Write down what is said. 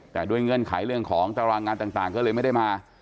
แต่ด้วยเงื่อนไขเรื่องของตารางงานต่างก็เลยไม่ได้มา